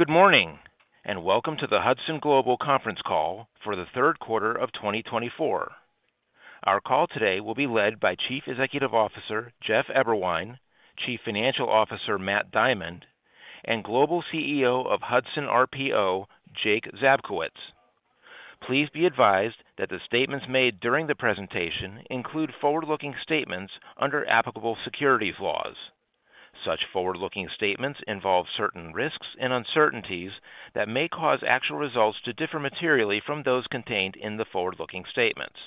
Good morning and welcome to the Hudson Global Conference Call for the third quarter of 2024. Our call today will be led by Chief Executive Officer Jeff Eberwein, Chief Financial Officer Matt Diamond, and Global CEO of Hudson RPO, Jake Zabkowicz. Please be advised that the statements made during the presentation include forward-looking statements under applicable securities laws. Such forward-looking statements involve certain risks and uncertainties that may cause actual results to differ materially from those contained in the forward-looking statements.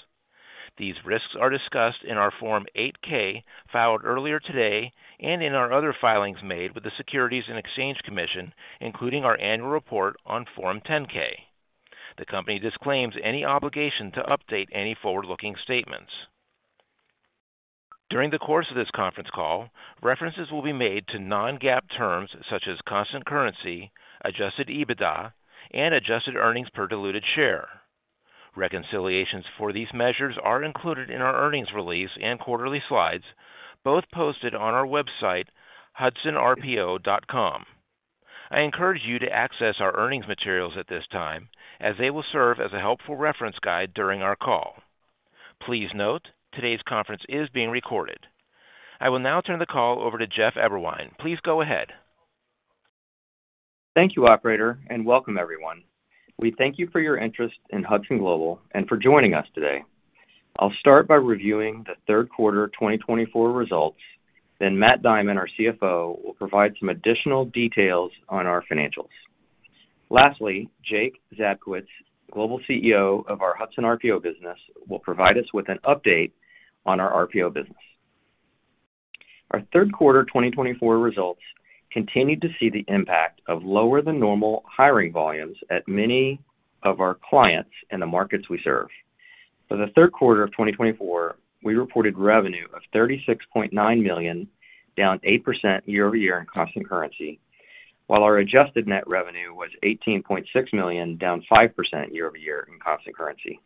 These risks are discussed in our Form 8-K filed earlier today and in our other filings made with the Securities and Exchange Commission, including our annual report on Form 10-K. The company disclaims any obligation to update any forward-looking statements. During the course of this conference call, references will be made to non-GAAP terms such as Constant Currency, Adjusted EBITDA, and Adjusted Earnings Per Diluted Share. Reconciliations for these measures are included in our earnings release and quarterly slides, both posted on our website, hudsonrpo.com. I encourage you to access our earnings materials at this time, as they will serve as a helpful reference guide during our call. Please note, today's conference is being recorded. I will now turn the call over to Jeff Eberwein. Please go ahead. Thank you, Operator, and welcome, everyone. We thank you for your interest in Hudson Global and for joining us today. I'll start by reviewing the third quarter 2024 results, then Matt Diamond, our CFO, will provide some additional details on our financials. Lastly, Jake Zabkowitz, Global CEO of our Hudson RPO business, will provide us with an update on our RPO business. Our third quarter 2024 results continue to see the impact of lower-than-normal hiring volumes at many of our clients and the markets we serve. For the third quarter of 2024, we reported revenue of $36.9 million, down 8% year-over-year in constant currency, while our adjusted net revenue was $18.6 million, down 5% year-over-year in constant currency.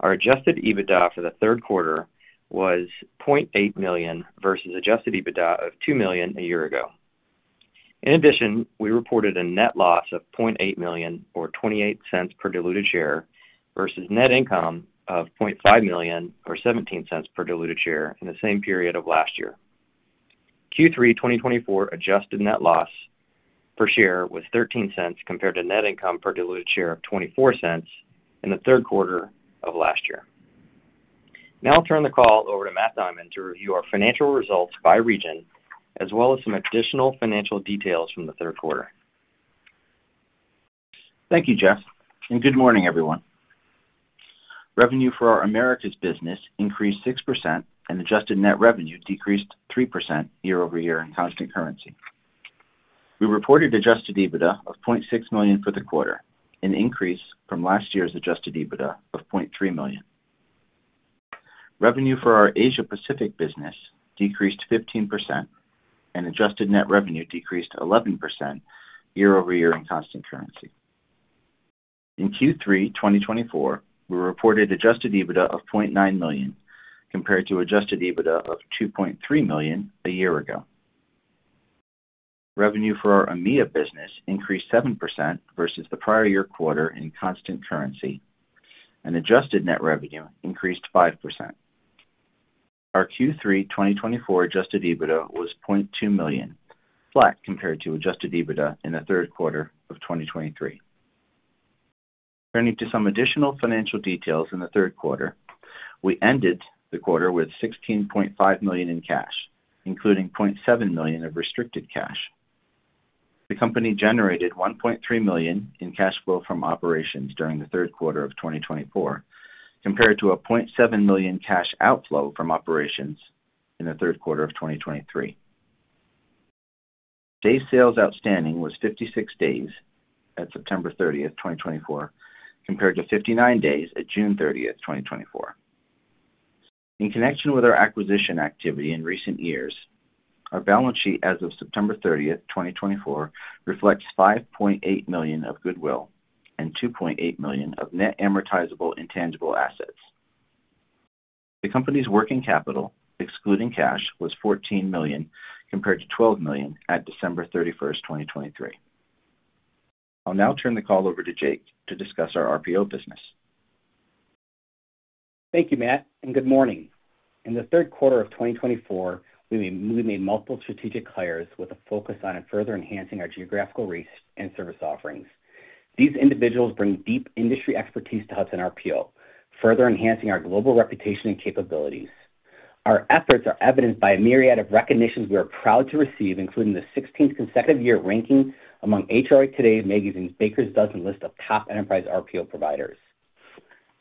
Our adjusted EBITDA for the third quarter was $0.8 million versus adjusted EBITDA of $2 million a year ago. In addition, we reported a net loss of $0.8 million, or $0.28 per diluted share, versus net income of $0.5 million, or $0.17 per diluted share in the same period of last year. Q3 2024 adjusted net loss per share was $0.13 compared to net income per diluted share of $0.24 in the third quarter of last year. Now I'll turn the call over to Matt Diamond to review our financial results by region, as well as some additional financial details from the third quarter. Thank you, Jeff, and good morning, everyone. Revenue for our Americas business increased 6%, and adjusted net revenue decreased 3% year-over-year in constant currency. We reported adjusted EBITDA of $0.6 million for the quarter, an increase from last year's adjusted EBITDA of $0.3 million. Revenue for our Asia-Pacific business decreased 15%, and adjusted net revenue decreased 11% year-over-year in constant currency. In Q3 2024, we reported adjusted EBITDA of $0.9 million compared to adjusted EBITDA of $2.3 million a year ago. Revenue for our EMEA business increased 7% versus the prior year quarter in constant currency, and adjusted net revenue increased 5%. Our Q3 2024 adjusted EBITDA was $0.2 million, flat compared to adjusted EBITDA in the third quarter of 2023. Turning to some additional financial details in the third quarter, we ended the quarter with $16.5 million in cash, including $0.7 million of restricted cash. The company generated $1.3 million in cash flow from operations during the third quarter of 2024, compared to a $0.7 million cash outflow from operations in the third quarter of 2023. Days Sales Outstanding was 56 days at September 30, 2024, compared to 59 days at June 30, 2024. In connection with our acquisition activity in recent years, our balance sheet as of September 30, 2024, reflects $5.8 million of goodwill and $2.8 million of net amortizable intangible assets. The company's working capital, excluding cash, was $14 million compared to $12 million at December 31, 2023. I'll now turn the call over to Jake to discuss our RPO business. Thank you, Matt, and good morning. In the third quarter of 2024, we made multiple strategic hires with a focus on further enhancing our geographical reach and service offerings. These individuals bring deep industry expertise to Hudson RPO, further enhancing our global reputation and capabilities. Our efforts are evidenced by a myriad of recognitions we are proud to receive, including the 16th consecutive year ranking among HRO Today magazine's Baker's Dozen list of top enterprise RPO providers.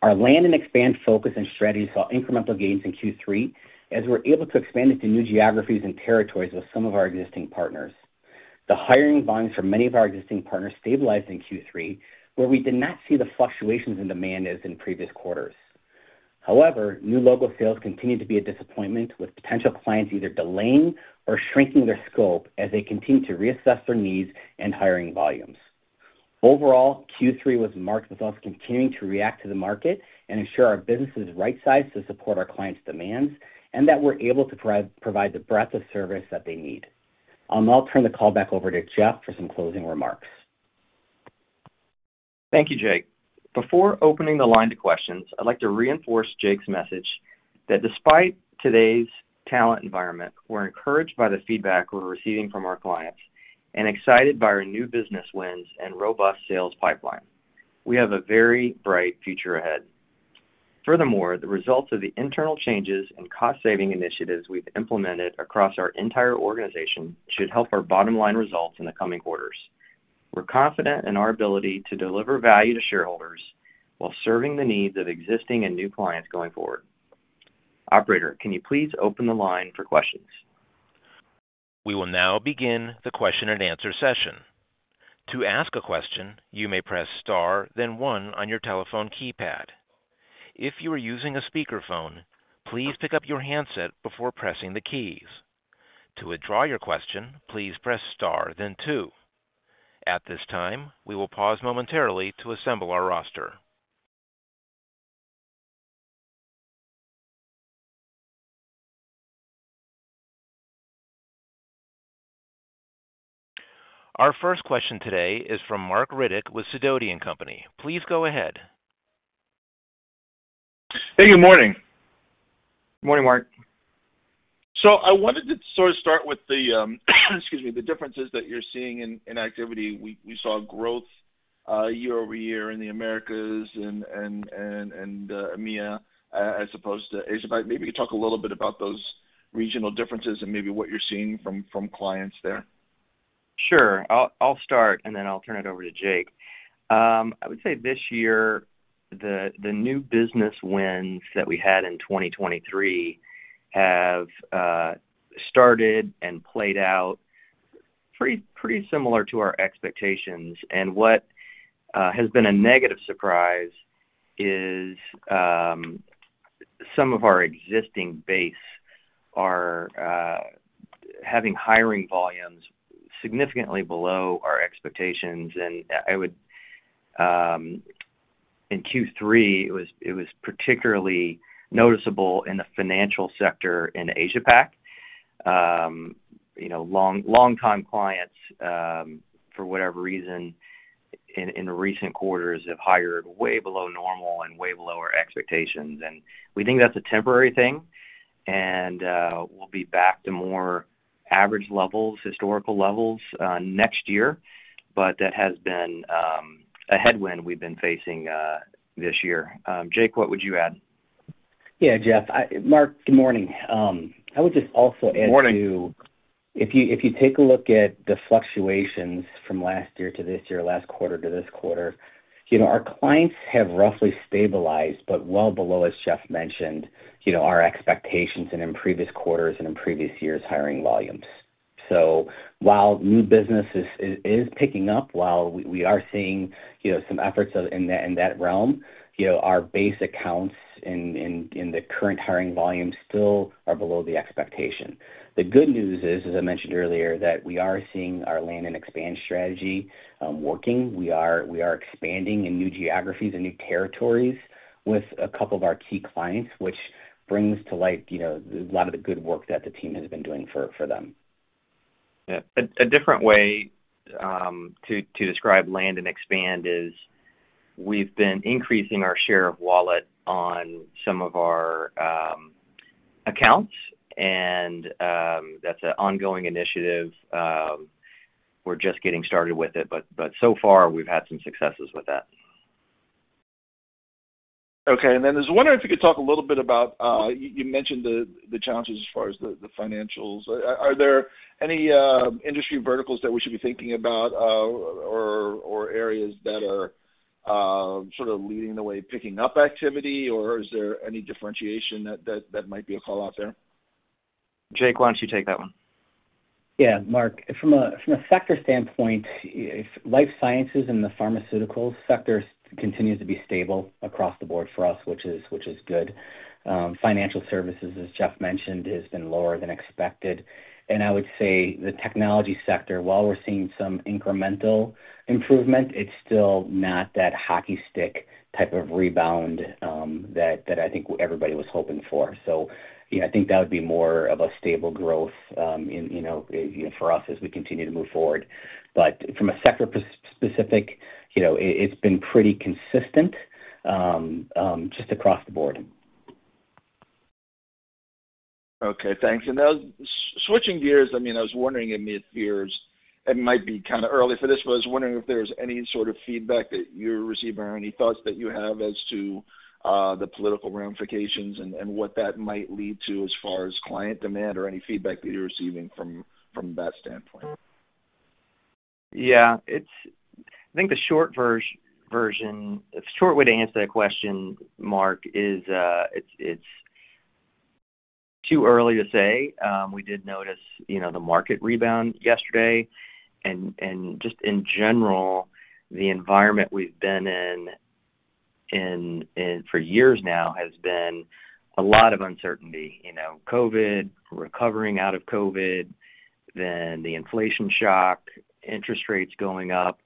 Our land and expand focus and strategy saw incremental gains in Q3, as we were able to expand into new geographies and territories with some of our existing partners. The hiring volumes for many of our existing partners stabilized in Q3, where we did not see the fluctuations in demand as in previous quarters. However, new local sales continued to be a disappointment, with potential clients either delaying or shrinking their scope as they continue to reassess their needs and hiring volumes. Overall, Q3 was marked with us continuing to react to the market and ensure our business is right-sized to support our clients' demands and that we're able to provide the breadth of service that they need. I'll now turn the call back over to Jeff for some closing remarks. Thank you, Jake. Before opening the line to questions, I'd like to reinforce Jake's message that despite today's talent environment, we're encouraged by the feedback we're receiving from our clients and excited by our new business wins and robust sales pipeline. We have a very bright future ahead. Furthermore, the results of the internal changes and cost-saving initiatives we've implemented across our entire organization should help our bottom-line results in the coming quarters. We're confident in our ability to deliver value to shareholders while serving the needs of existing and new clients going forward. Operator, can you please open the line for questions? We will now begin the question-and-answer session. To ask a question, you may press star, then one on your telephone keypad. If you are using a speakerphone, please pick up your handset before pressing the keys. To withdraw your question, please press star, then two. At this time, we will pause momentarily to assemble our roster. Our first question today is from Marc Riddick with Sidoti & Company. Please go ahead. Hey, good morning. Good morning, Mark. So I wanted to sort of start with the, excuse me, the differences that you're seeing in activity. We saw growth year-over-year in the Americas and EMEA as opposed to Asia. Maybe you could talk a little bit about those regional differences and maybe what you're seeing from clients there. Sure. I'll start, and then I'll turn it over to Jake. I would say this year, the new business wins that we had in 2023 have started and played out pretty similar to our expectations. And what has been a negative surprise is some of our existing base are having hiring volumes significantly below our expectations. And in Q3, it was particularly noticeable in the financial sector in Asia-Pac. Long-time clients, for whatever reason, in recent quarters have hired way below normal and way below our expectations. And we think that's a temporary thing, and we'll be back to more average levels, historical levels next year, but that has been a headwind we've been facing this year. Jake, what would you add? Yeah, Jeff. Mark, good morning. I would just also add to. Good morning. If you take a look at the fluctuations from last year to this year, last quarter to this quarter, our clients have roughly stabilized, but well below, as Jeff mentioned, our expectations in previous quarters and in previous years' hiring volumes. So while new business is picking up, while we are seeing some efforts in that realm, our base accounts in the current hiring volume still are below the expectation. The good news is, as I mentioned earlier, that we are seeing our Land and Expand strategy working. We are expanding in new geographies and new territories with a couple of our key clients, which brings to light a lot of the good work that the team has been doing for them. Yeah. A different way to describe land and expand is we've been increasing our share of wallet on some of our accounts, and that's an ongoing initiative. We're just getting started with it, but so far, we've had some successes with that. Okay. And then I was wondering if you could talk a little bit about, you mentioned, the challenges as far as the financials. Are there any industry verticals that we should be thinking about or areas that are sort of leading the way picking up activity, or is there any differentiation that might be a call out there? Jake, why don't you take that one? Yeah. Mark, from a sector standpoint, life sciences and the pharmaceuticals sector continues to be stable across the board for us, which is good. Financial services, as Jeff mentioned, has been lower than expected. And I would say the technology sector, while we're seeing some incremental improvement, it's still not that hockey stick type of rebound that I think everybody was hoping for. So I think that would be more of a stable growth for us as we continue to move forward. But from a sector-specific, it's been pretty consistent just across the board. Okay. Thanks, and now switching gears, I mean, I was wondering in the midterms, it might be kind of early for this, but I was wondering if there's any sort of feedback that you're receiving or any thoughts that you have as to the political ramifications and what that might lead to as far as client demand or any feedback that you're receiving from that standpoint. Yeah. I think the short version of the short way to answer that question, Mark, is it's too early to say. We did notice the market rebound yesterday, and just in general, the environment we've been in for years now has been a lot of uncertainty: COVID, recovering out of COVID, then the inflation shock, interest rates going up,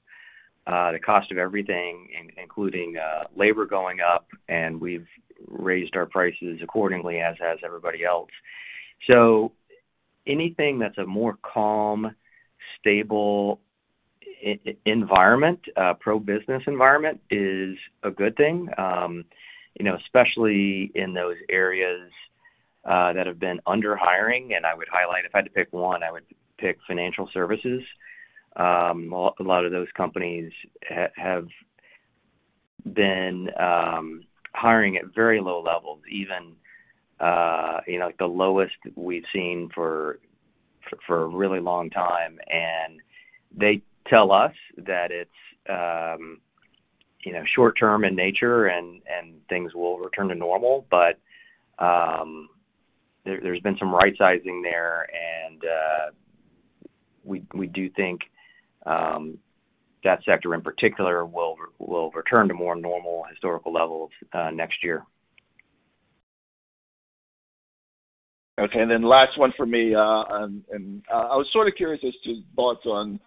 the cost of everything, including labor going up, and we've raised our prices accordingly as everybody else, so anything that's a more calm, stable environment, pro-business environment is a good thing, especially in those areas that have been under-hiring, and I would highlight, if I had to pick one, I would pick financial services. A lot of those companies have been hiring at very low levels, even the lowest we've seen for a really long time. And they tell us that it's short-term in nature and things will return to normal, but there's been some right-sizing there. And we do think that sector in particular will return to more normal historical levels next year. Okay. And then last one for me. And I was sort of curious as to thoughts on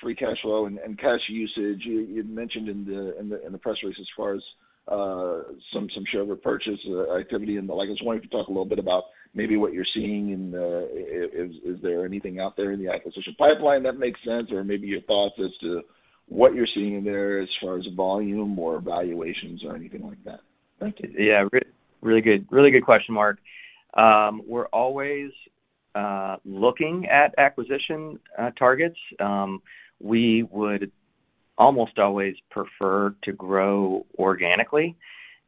free cash flow and cash usage. You mentioned in the press release as far as some shareholder purchase activity. And I was wondering if you could talk a little bit about maybe what you're seeing in the, is there anything out there in the acquisition pipeline that makes sense, or maybe your thoughts as to what you're seeing in there as far as volume or valuations or anything like that. Yeah. Really good question, Mark. We're always looking at acquisition targets. We would almost always prefer to grow organically.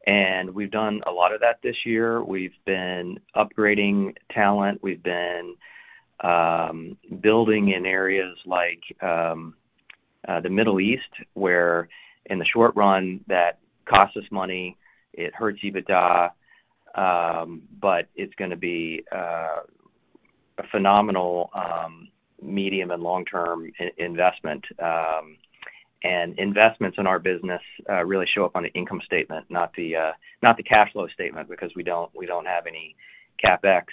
And we've done a lot of that this year. We've been upgrading talent. We've been building in areas like the Middle East where, in the short run, that costs us money. It hurts EBITDA, but it's going to be a phenomenal medium and long-term investment. And investments in our business really show up on the income statement, not the cash flow statement, because we don't have any CapEx.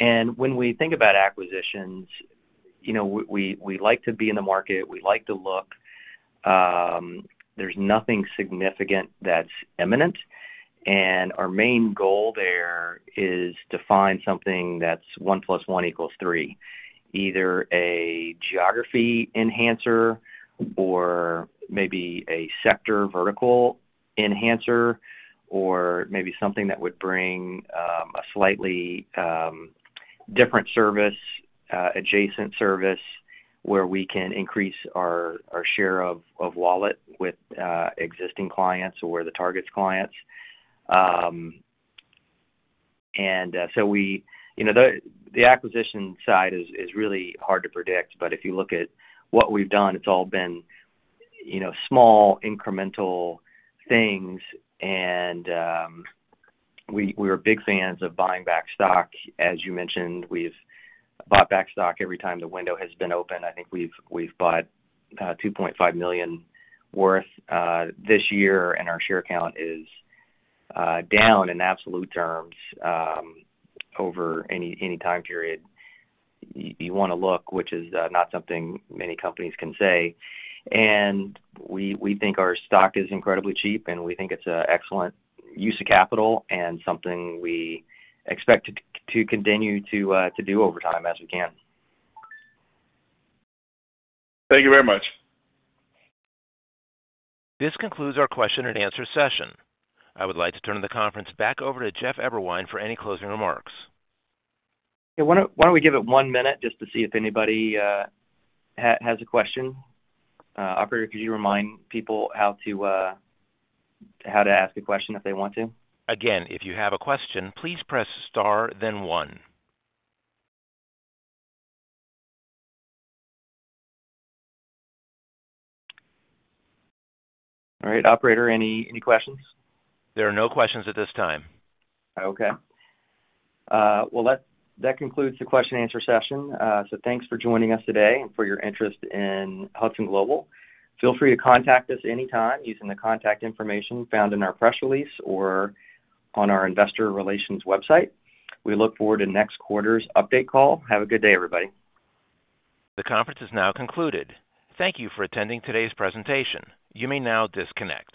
And when we think about acquisitions, we like to be in the market. We like to look. There's nothing significant that's imminent. Our main goal there is to find something that's 1 plus 1 equals 3, either a geography enhancer or maybe a sector vertical enhancer or maybe something that would bring a slightly different service, adjacent service where we can increase our share of wallet with existing clients or the target clients. And so the acquisition side is really hard to predict. But if you look at what we've done, it's all been small incremental things. And we were big fans of buying back stock. As you mentioned, we've bought back stock every time the window has been open. I think we've bought $2.5 million worth this year, and our share count is down in absolute terms over any time period you want to look, which is not something many companies can say. We think our stock is incredibly cheap, and we think it's an excellent use of capital and something we expect to continue to do over time as we can. Thank you very much. This concludes our question-and-answer session. I would like to turn the conference back over to Jeff Eberwein for any closing remarks. Yeah. Why don't we give it one minute just to see if anybody has a question? Operator, could you remind people how to ask a question if they want to? Again, if you have a question, please press star, then one. All right. Operator, any questions? There are no questions at this time. Okay. Well, that concludes the question-and-answer session. So thanks for joining us today and for your interest in Hudson Global. Feel free to contact us anytime using the contact information found in our press release or on our investor relations website. We look forward to next quarter's update call. Have a good day, everybody. The conference is now concluded. Thank you for attending today's presentation. You may now disconnect.